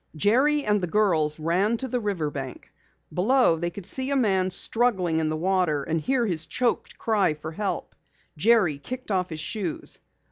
Jerry and the girls ran to the river bank. Below they could see a man struggling in the water and hear his choked cry for help. Jerry kicked off his shoes.